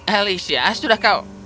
alicia sudah kau